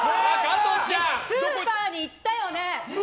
で、スーパーに行ったよね？